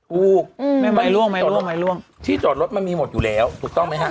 ถูกไม่ล่วงไม่ล่วงไม่ล่วงที่จอดรถมันมีหมดอยู่แล้วถูกต้องไหมฮะ